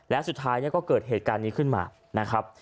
และสูจรสุดท้ายก็เกิดเหตุการณ์นี้ขึ้นมา